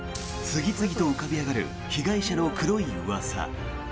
次々と浮かび上がる被害者の黒いうわさ。